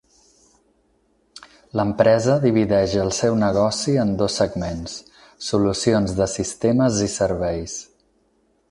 L'empresa divideix el seu negoci en dos segments: solucions de sistemes i serveis.